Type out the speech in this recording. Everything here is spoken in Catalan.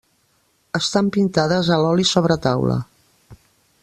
Estan pintades a l'oli sobre taula.